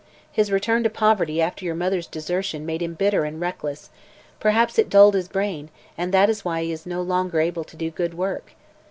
His return to poverty after your mother's desertion made him bitter and reckless; perhaps it dulled his brain, and that is why he is no longer able to do good work.